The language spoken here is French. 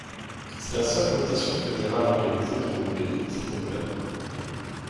C'est la seule votation fédérale organisée dans le pays cette année-là.